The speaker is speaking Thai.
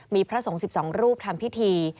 มีพระสงฆ์๑๒รูปทำพิธี